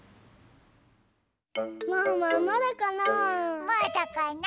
ワンワンまだかな？